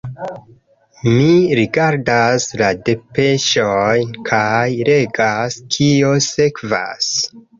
Mi rigardas la depeŝojn kaj legas, kio sekvas.